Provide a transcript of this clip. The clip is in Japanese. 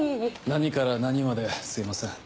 何から何まですいません。